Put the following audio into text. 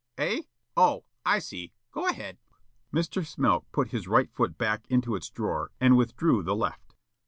"Eh! Oh, I see. Go ahead." Mr. Smilk put his right foot back into its drawer and withdrew the left.